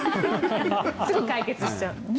すぐに解決しちゃう。